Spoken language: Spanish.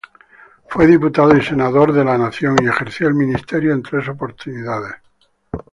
Fue diputado y senador de la Nación y ejerció el ministerio en tres oportunidades.